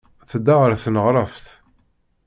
Tedda ɣer tneɣraft.